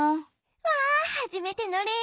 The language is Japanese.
わはじめてのれん